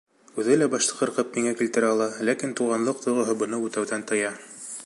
Үҙе лә башты ҡырҡып миңә килтерә ала, ләкин туғанлыҡ тойғоһо быны үтәүҙән тыя.